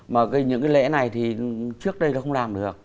mà những cái lễ này thì trước đây nó không làm được